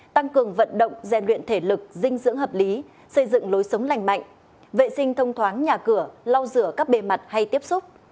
tăng cường vận động gian luyện thể lực dinh dưỡng hợp lý xây dựng lối sống lành mạnh vệ sinh thông thoáng nhà cửa lau rửa các bề mặt hay tiếp xúc